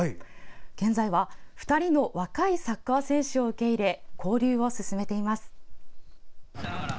現在は、２人の若いサッカー選手を受け入れ交流を進めています。